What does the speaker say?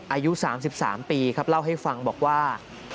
อายุ๓๓ปีครับเล่าให้ฟังบอกว่า